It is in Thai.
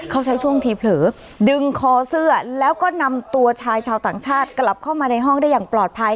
เขาใช้ช่วงทีเผลอดึงคอเสื้อแล้วก็นำตัวชายชาวต่างชาติกลับเข้ามาในห้องได้อย่างปลอดภัย